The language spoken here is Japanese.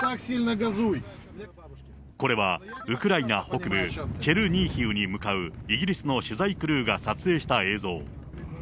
これは、ウクライナ北部、チェルニーヒウに向かう、イギリスの取材クルーが撮影した映像。